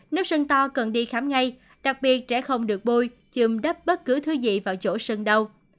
nếu sưng to cần đi khám ngay đặc biệt trẻ không được bôi chừng đắp bất cứ thứ gì vào chỗ sưng đâu